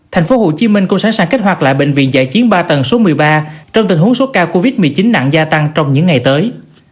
tp hcm cũng sẵn sàng kích hoạt lại bệnh viện giải chiến ba tầng số một mươi ba trong tình huống số ca covid một mươi chín nặng gia tăng trong những ngày tới